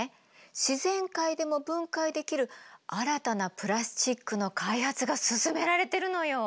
自然界でも分解できる新たなプラスチックの開発が進められてるのよ！